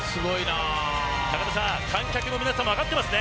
高田さん、観客の皆さんも分かっていますね。